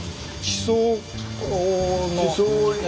地層。